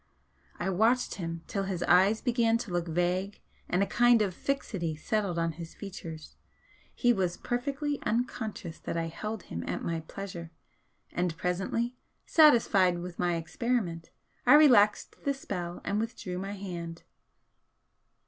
I watched him till his eyes began to look vague and a kind of fixity settled on his features, he was perfectly unconscious that I held him at my pleasure, and presently, satisfied with my experiment, I relaxed the spell and withdrew my hand.